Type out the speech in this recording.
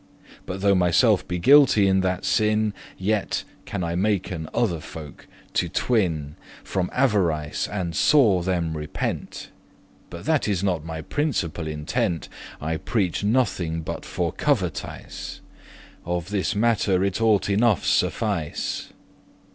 But though myself be guilty in that sin, Yet can I maken other folk to twin* *depart From avarice, and sore them repent. But that is not my principal intent; I preache nothing but for covetise. Of this mattere it ought enough suffice.